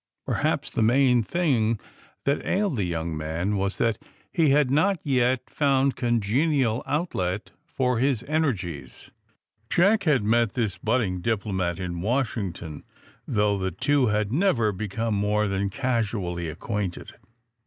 Perhaps the main thing that ailed the young man was that he had not yet found con genial outlet for his energies. Jack had met this budding diplomat in Wash ington, though the two had never become moro than casually acquainted.